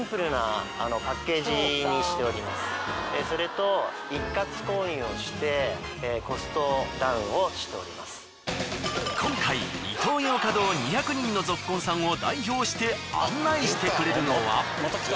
それと今回イトーヨーカドー２００人のぞっこんさんを代表して案内してくれるのは。